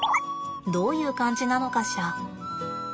どういう感じなのかしら。